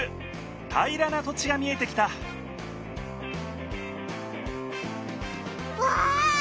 平らな土地が見えてきたわあ！